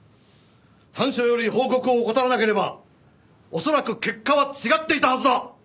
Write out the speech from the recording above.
端緒より報告を怠らなければ恐らく結果は違っていたはずだ。